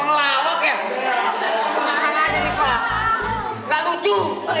kenapa aja nih pak gak lucu